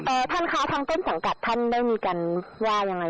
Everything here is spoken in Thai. ท่านคะทางต้นสังกัดท่านได้มีการว่ายังไง